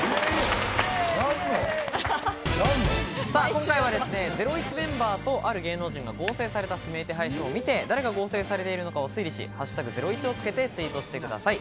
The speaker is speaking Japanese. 今回はゼロイチメンバーとある芸能人が合成された指名手配書を見て、誰が合成されているのかを推理し「＃ゼロイチ」をつけてツイートしてください。